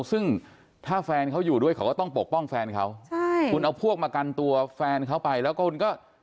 ซึ่งถ้าแฟนเขาอยู่ด้วยเขาก็ต้องปกป้องแฟนเขาใช่คุณเอาพวกมากันตัวแฟนเขาไปแล้วก็คุณก็